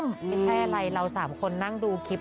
ไม่ใช่อะไรเรา๓คนนั่งดูคลิป